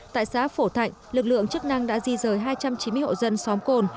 tại xã phổ thạnh lực lượng chức năng đã di rời hai trăm chín mươi hộ dân xóm cồn